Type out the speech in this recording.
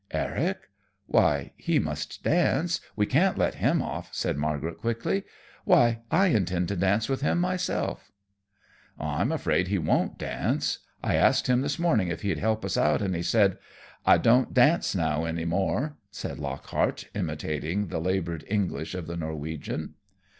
"Eric? Why, he must dance, we can't let him off," said Margaret, quickly. "Why, I intend to dance with him myself!" "I'm afraid he won't dance. I asked him this morning if he'd help us out and he said, 'I don't dance now, any more,'" said Lockhart, imitating the labored English of the Norwegian.